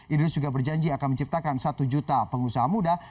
idrus juga berjanji akan menciptakan satu juta pengusaha muda